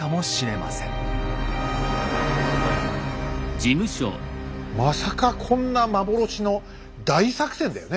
まさかこんな幻の大作戦だよね。